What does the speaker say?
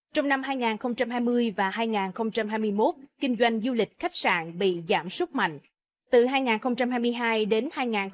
trong năm hai nghìn hai mươi và hai nghìn hai mươi một kinh doanh du lịch khách sạn bị giảm súc mạnh từ hai nghìn hai mươi hai đến hai nghìn hai mươi ba